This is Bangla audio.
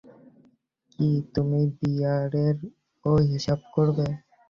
কি, তুমি বিয়ারেরও হিসাব করবে?